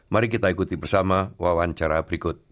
mari kita ikuti bersama wawancara berikut